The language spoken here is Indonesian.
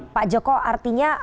pak joko artinya